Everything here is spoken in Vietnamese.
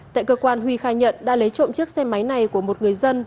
tại cơ quan huy khai nhận đã lấy trộm chiếc xe máy này của một người dân